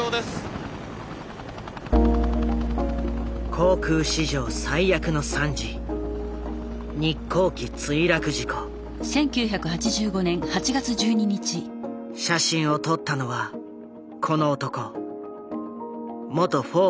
航空史上最悪の惨事写真を撮ったのはこの男。